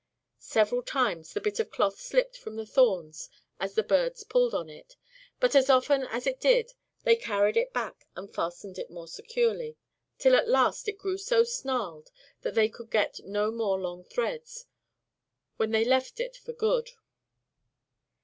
Several times the bit of cloth slipped from the thorns as the birds pulled upon it; but as often as it did they carried it back and fastened it more securely, till at last it grew so snarled that they could get no more long threads, when they left it for good.